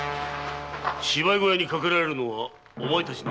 芝居小屋にかけられるのはお前たちの悪行だ。